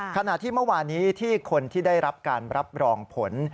ขณะที่เมื่อวานี้ที่คนที่ได้รับการรับรองผล